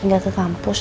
gak ke kampus